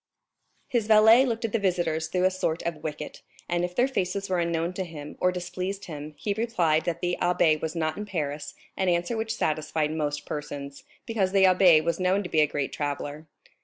His valet looked at the visitors through a sort of wicket; and if their faces were unknown to him or displeased him, he replied that the abbé was not in Paris, an answer which satisfied most persons, because the abbé was known to be a great traveller.